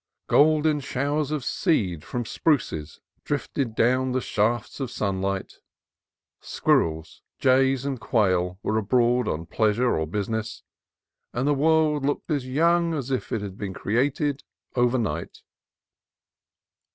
Golden showers of seed from the spruces drifted down the shafts of sunlight; squirrels, jays, and quail were abroad on pleasure or business; and the world looked as young as if it had been created overnight.